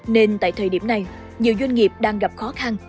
nên tại thời điểm này nhiều doanh nghiệp đang gặp khó khăn